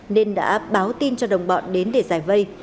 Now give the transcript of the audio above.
nên đã báo tin cho đồng bọn đến để giải vay